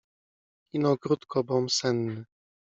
Ino krótko, bom senny.